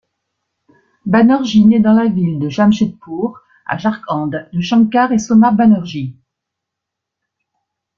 Banerjee naît dans la ville de Jamshedpur à Jharkhand, de Shankar et Soma Banerjee.